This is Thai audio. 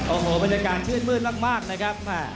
โอ้โหบรรยากาศชื่นมืดมากนะครับ